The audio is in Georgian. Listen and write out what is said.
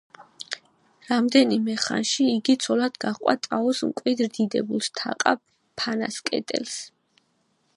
რამდენიმე ხანში იგი ცოლად გაჰყვა ტაოს მკვიდრ დიდებულს, თაყა ფანასკერტელს.